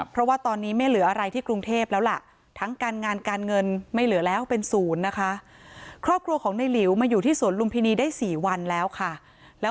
เพราะว่าตอนนี้ไม่เหลืออะไรที่กรุงเทพฯแล้วแหละ